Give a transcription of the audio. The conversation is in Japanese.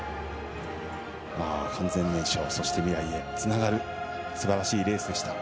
完全燃焼そして、未来へつながるすばらしいレースでした。